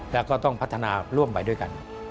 แล้วก็ต้องพัฒนาร่วมไปด้วยกัน